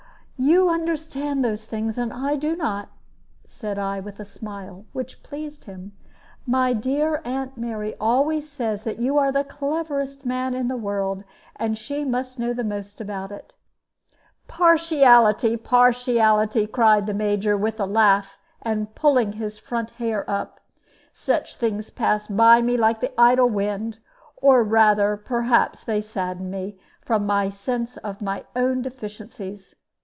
"You understand those things, and I do not," said I, with a smile, which pleased him. "My dear aunt Mary always says that you are the cleverest man in the world; and she must know most about it." "Partiality! partiality!" cried the Major, with a laugh, and pulling his front hair up. "Such things pass by me like the idle wind; or rather, perhaps, they sadden me, from my sense of my own deficiencies.